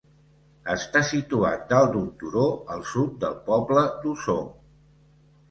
Està situat dalt d'un turó al sud del poble d'Osor.